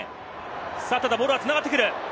ただボールは繋がってくる。